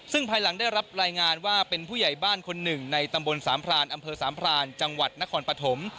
ซึ่งภายหลังได้รับรายงานว่าเป็นผู้ใหญ่บ้านคนหนึ่งในตำบลสามพรานอำเภอสามพรานจังหวัดนครปฐม